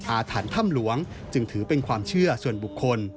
อาถรรพ์ถ้ำหลวงจึงถือเป็นความเชื่อส่วนบุคคล